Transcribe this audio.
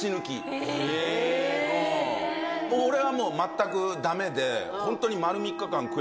俺はもう全くダメでホントに。